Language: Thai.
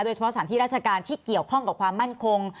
สถานที่ราชการที่เกี่ยวข้องกับความมั่นคง